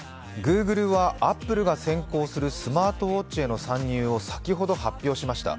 Ｇｏｏｇｌｅはアップルが先行するスマートウォッチへの参入を先ほど発表しました。